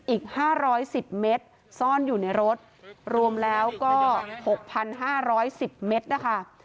อีกห้าร้อยสิบเมตรซ่อนอยู่ในรถรวมแล้วก็หกพันห้าร้อยสิบเมตรนะคะ